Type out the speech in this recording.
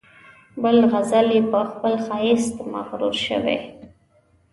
بل غزل یې په خپل ښایست مغرور شوی.